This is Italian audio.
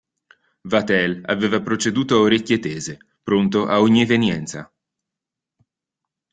Vatel aveva proceduto a orecchie tese, pronto a ogni evenienza.